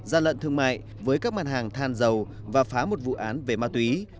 gian lận thương mại với các mặt hàng than dầu và phá một vụ án về ma túy